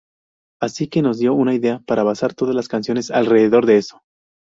Así que nos dio una idea para basar todas las canciones alrededor de eso.